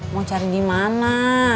mau cari dimana